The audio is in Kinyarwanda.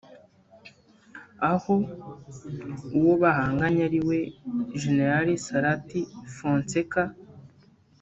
aho uwo bahanganye ari we Gen Sarath Fonseka